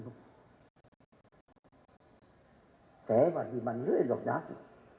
saya marjiman dulu indovinasi